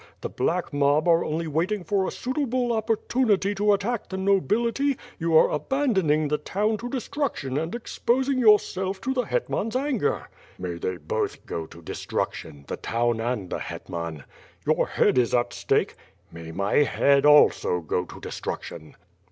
The black mob are only waiting for a suitable opportunity to attack the nobility; you are abandoning the town to destruc tion and exposing yourself to the hetman's anger." "May they both go to destruction, the town and the het man!" "Your head is at stake.'' "May my head also go to destruction."